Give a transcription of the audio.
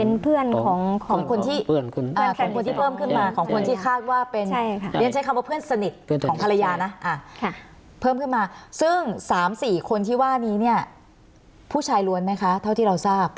เป็นเพื่อนของคนที่เพิ่มขึ้นมาของคนที่คาดว่าเป็นเพื่อนสนิทของภรรยานะซึ่ง๓๔คนที่ว่านี้ผู้ชายรวนมั้ยคะเท่าที่เรารู้สึก